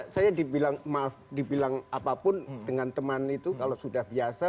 saya dibilang apapun dengan teman itu kalau sudah biasa